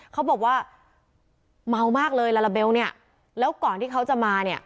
เขาบอกว่าเมามากเลยลาลาเบลเนี่ยแล้วก่อนที่เขาจะมาเนี่ย